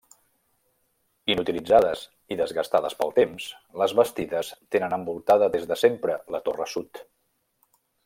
Inutilitzades i desgastades pel temps, les bastides tenen envoltada des de sempre la torre sud.